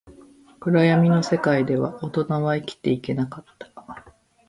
暗闇の世界では、大人は生きていけなかった